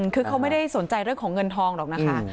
คือเขาไม่ได้สนใจเรื่องของเงินทองหรอกนะคะ